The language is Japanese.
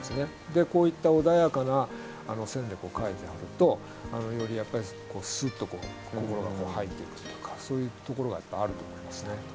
でこういった穏やかな線で描いてあるとよりスッとこう心が入っていくというかそういうところがあると思いますね。